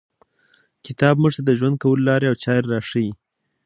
کتاب موږ ته د ژوند کولو لاري او چاري راښیي.